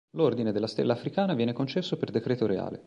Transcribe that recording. L'Ordine della Stella africana viene concesso per decreto reale.